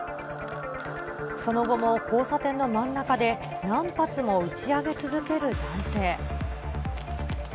その後も交差点の真ん中で何発も打ち上げ続ける男性。